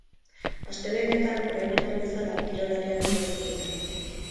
Astelehenetan, orain arte bezala, kirolariak etorriko dira.